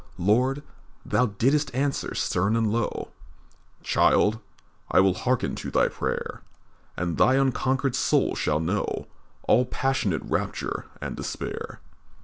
Lord, Thou didst answer stern and low: "Child, I will hearken to thy prayer, And thy unconquered soul shall know All passionate rapture and despair.